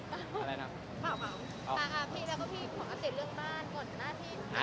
มาค่ะพี่แล้วพี่หวังว่าเสร็จเรื่องบ้าน